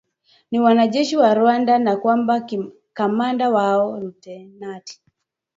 ni wanajeshi wa Rwanda na kwamba kamanda wao lutenati